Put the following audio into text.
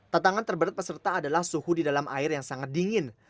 tatangan terberat peserta adalah suhu di dalam air yang sangat dingin